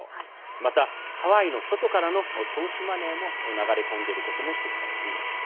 また、ハワイの外からの投資マネーも流れ込んでいることも指摘されています。